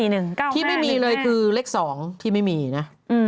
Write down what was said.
๕๔๑๙๕๑แน่ที่ไม่มีเลยคือเลข๒ที่ไม่มีนะ